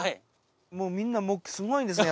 もうみんなすごいですね